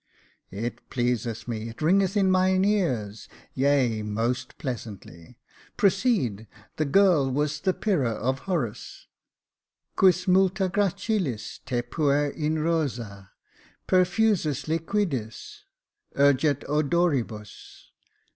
" It pleaseth me — it ringeth in mine ears — yea, most pleasantly. Proceed, — the girl was as the Pyrrha of Horace —" Quis multa gracilis — te puer in rosa — Perfusus liquidis urget odoribus.